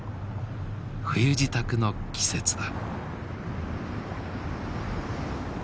冬支度の季節だ。